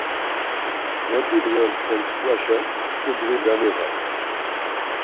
Na dibğen pentskvaşen ç̌ubri gamiğaman.